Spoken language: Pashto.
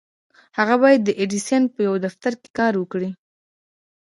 هغه بايد د ايډېسن په يوه دفتر کې کار کړی وای.